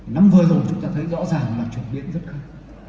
năm vừa rồi chúng ta thấy rõ ràng là trở biến rất khác